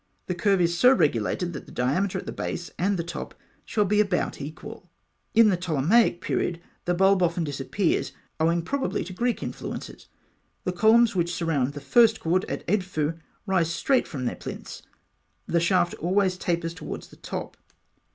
The curve is so regulated that the diameter at the base and the top shall be about equal. In the Ptolemaic period, the bulb often disappears, owing probably to Greek influences. The columns which surround the first court at Edfû rise straight from their plinths. The shaft always tapers towards the top.